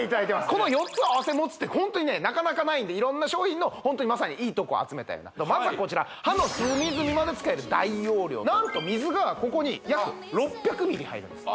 この４つを併せ持つってホントにねなかなかないんで色んな商品のホントにまさにいいとこ集めたようなまずはこちら何と水がここに約６００ｍｌ入るんです